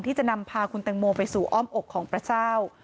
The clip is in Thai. ที่จะนำพาคุณแตงโมไปสู่อ้อมอกของพระเจ้า